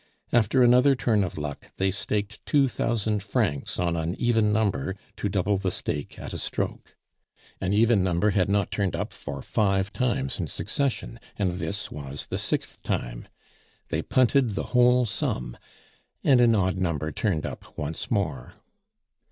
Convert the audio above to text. After another turn of luck they staked two thousand francs on an even number to double the stake at a stroke; an even number had not turned up for five times in succession, and this was the sixth time. They punted the whole sum, and an odd number turned up once more.